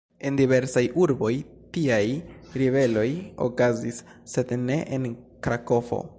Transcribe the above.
En diversaj urboj tiaj ribeloj okazis, sed ne en Krakovo.